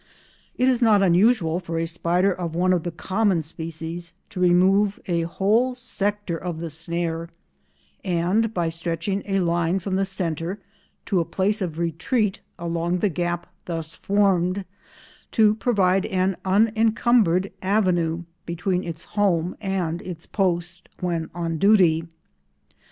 It is not unusual for a spider of one of the common species to remove a whole sector of the snare, and by stretching a line from the centre to a place of retreat along the gap thus formed, to provide an unencumbered avenue between its home and its post when on duty.